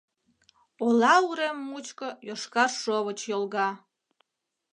Ола урем мучко йошкар шовыч йолга.